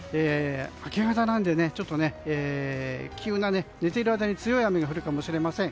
明け方なのでちょっと寝ている間に強い雨が降るかもしれません。